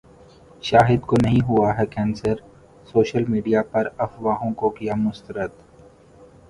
شاہد کونہیں ہوا ہے کینسر، سوشل میڈیا پرافواہوں کو کیا مسترد